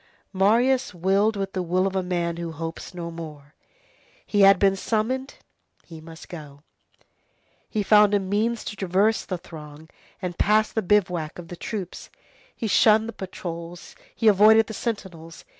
Marius willed with the will of a man who hopes no more. He had been summoned, he must go. He found a means to traverse the throng and to pass the bivouac of the troops, he shunned the patrols, he avoided the sentinels.